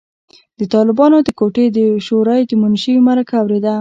د طالبانو د کوټې د شورای د منشي مرکه اورېده.